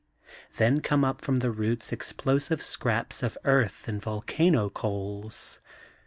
Then come up from the roots explosive scraps of earth and volcano coals.